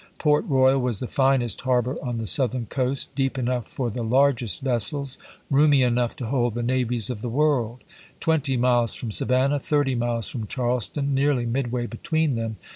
Port Royal was the finest harbor on the Southern coast, deep enough for the largest vessels, roomy enough to hold the navies of the world; twenty miles from Savannah, thirty miles from Charleston — nearly midway between them.